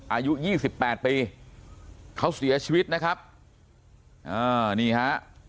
อายุ๒๘ปีเขาเสียชีวิตนะครับอ่านี่ฮะ